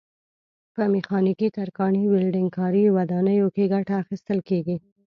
په میخانیکي، ترکاڼۍ، ولډنګ کاري، ودانیو کې ګټه اخیستل کېږي.